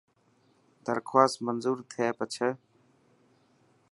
درخواست منظور ٿي پڇي.